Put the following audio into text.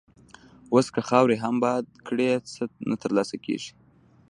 اوس که خاورې هم باد کړې، څه نه تر لاسه کېږي.